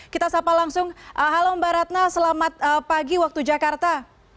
kita sapa langsung halo mbak ratna selamat pagi waktu jakarta